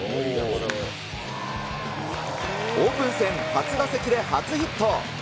オープン戦初打席で初ヒット。